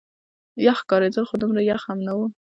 یخ ښکارېدل، خو دومره یخ هم نه.